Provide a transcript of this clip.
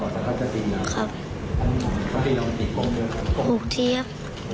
ตีที่ขาสองเทียบ